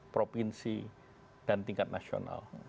provinsi dan tingkat nasional